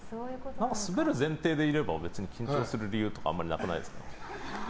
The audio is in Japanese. スベる前提でいれば緊張する理由とかあまりなくないですか？